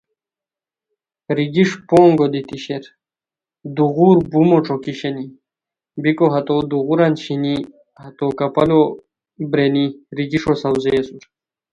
ریگش پونگو دیتی شیر دوغور بومو ݯوکی شینی بیکو ہتو دوغوران چھینی ہتو کپالو بیرینی ریگیݰو ساؤزیئے اسور